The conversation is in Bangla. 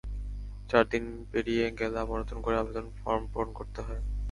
চার দিন পেরিয়ে গেলে আবার নতুন করে আবেদন ফরম পূরণ করতে হয়।